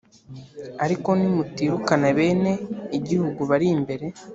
Ariko nimutirukana bene igihugu bari imbere